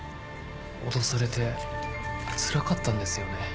脅されてつらかったんですよね。